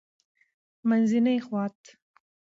-منځنی خوات: